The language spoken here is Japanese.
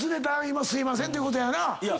今すいません！っていうことやな。